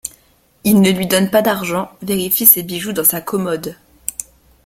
Il ne lui donne pas d’argent, vérifie ses bijoux dans sa commode.